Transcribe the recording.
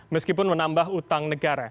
meskipun menambah utang negara